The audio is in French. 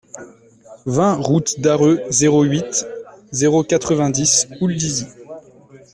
vingt route d'Arreux, zéro huit, zéro quatre-vingt-dix, Houldizy